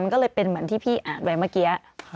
ก็เลยเป็นเหมือนที่พี่อ่านไว้เมื่อกี้